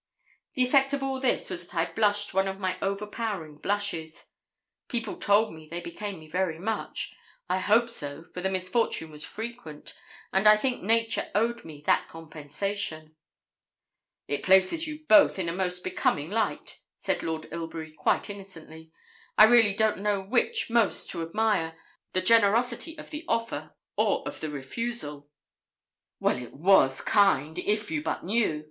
The effect of all this was that I blushed one of my overpowering blushes. People told me they became me very much; I hope so, for the misfortune was frequent; and I think nature owed me that compensation. 'It places you both in a most becoming light,' said Lord Ilbury, quite innocently. 'I really don't know which most to admire the generosity of the offer or of the refusal.' 'Well, it was kind, if you but knew.